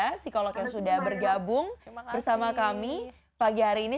psikolog yang sudah bergabung bersama kami pagi hari ini